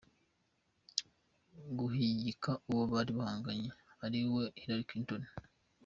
guhigika uwo bari bahanganye ari we Hillary Clinton.